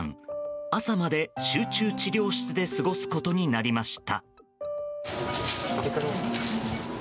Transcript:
朝まで集中治療室で過ごすことになりました。